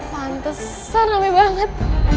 pantesan rame banget